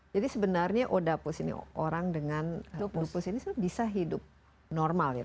sebenarnya odapus ini orang dengan lupus ini bisa hidup normal